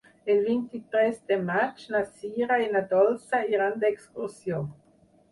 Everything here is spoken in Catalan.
El vint-i-tres de maig na Sira i na Dolça iran d'excursió.